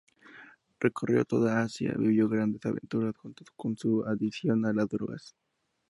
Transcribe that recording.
Recorrió todo Asia, vivió grandes aventuras junto con su adicción a las drogas.